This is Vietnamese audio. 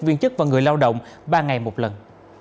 viên chức và người lao động ba ngày một lần